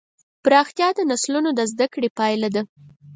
پراختیا د نسلونو د زدهکړې پایله ده.